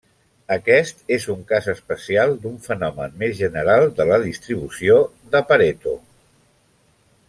Aquest és un cas especial d'un fenomen més general de la distribució de Pareto.